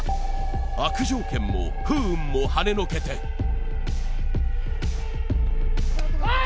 悪条件も不運もはねのけてはい！